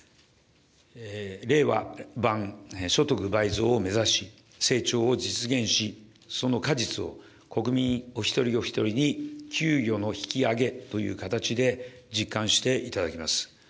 令和版所得倍増を目指し、成長を実現し、その果実を国民お一人お一人に、給与の引き上げという形で実感していただきます。